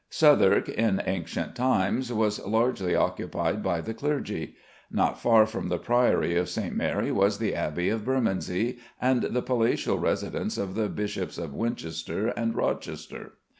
Southwark, in ancient times, was largely occupied by the clergy. Not far from the Priory of St. Mary was the Abbey of Bermondsey, and the palatial residences of the Bishops of Winchester and Rochester.